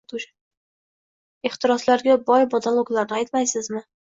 Ehtiroslarga boy monologlarini aytmaysizmi.